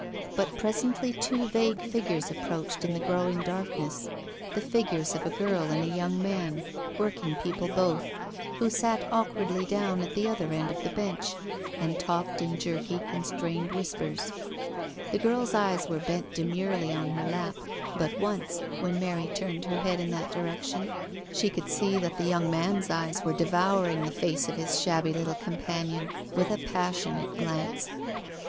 But pre sently two vague figures approached in the growing darkness — the figures of a girl and a young man, working people both, who sat awkwardly down at the other end of the bench, and talked in jerky, constrained whispers. The girl's eyes were bent demurely on her lap, but once, when Mary turned her head in their direction, she could see that the young man's eyes were devouring the face of his shabby little companion with a passionate glance.